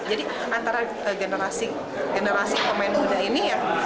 jadi antara generasi pemain muda ini